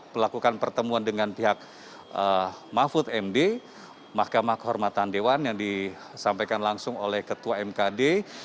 melakukan pertemuan dengan pihak mahfud md mahkamah kehormatan dewan yang disampaikan langsung oleh ketua mkd